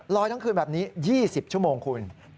ทั้งคืนแบบนี้๒๐ชั่วโมงคุณ